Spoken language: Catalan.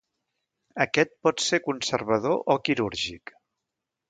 Aquest pot ser conservador o quirúrgic.